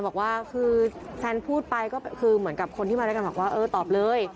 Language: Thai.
บอกว่าแซนพูดไปเหมือนกับคนที่มาด้วยกันตอบเลย